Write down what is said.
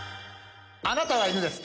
あなたは犬です。